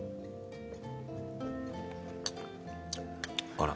あら。